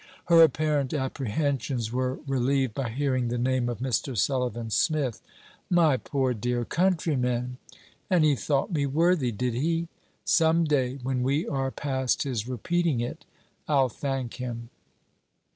Her apparent apprehensions were relieved by hearing the name of Mr. Sullivan Smith. 'My poor dear countryman! And he thought me worthy, did he? Some day, when we are past his repeating it, I'll thank him.'